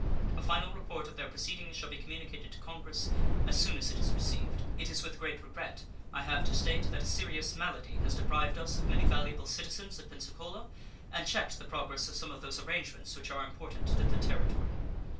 A final report of their proceedings shall be communicated to Congress as soon as it is received. It is with great regret I have to state that a serious malady has deprived us of many valuable citizens of Pensacola and checked the progress of some of those arrangements which are important to the Territory.